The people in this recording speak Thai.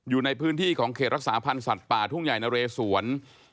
อยู่ในพื้นที่ของเขตรักษาพันธ์สัตว์ป่าทุ่งใหญ่นะเรสวน